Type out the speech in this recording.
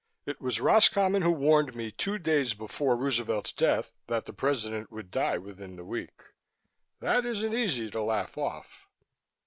"It was Roscommon who warned me two days before Roosevelt's death that the President would die within the week. That isn't easy to laugh off."